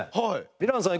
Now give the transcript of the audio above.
ヴィランさん